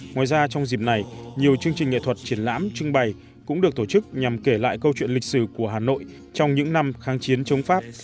ngoài ra trong dịp này nhiều chương trình nghệ thuật triển lãm trưng bày cũng được tổ chức nhằm kể lại câu chuyện lịch sử của hà nội trong những năm kháng chiến chống pháp